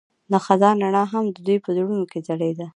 د خزان رڼا هم د دوی په زړونو کې ځلېده.